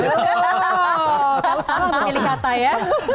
kau salah memilih kata ya